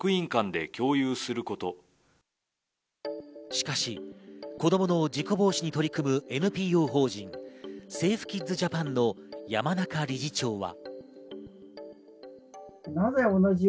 しかし子供の事故防止に取り組むＮＰＯ法人セーフ・キッズ・ジャパンの山中理事長は。